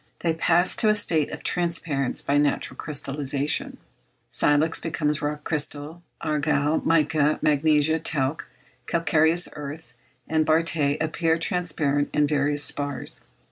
They pass to a state of transparence by natural crystallization. Silex becomes rock crystal; argile, mica; magnesia, talc; calcareous earth and barytes appear transparent in various spars.